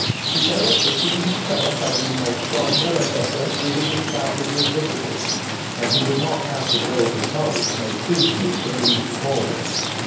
He felt that he himself had been made stronger and better through his encounters with difficulty; and he would not have the road of knowledge made too smooth and easy for them.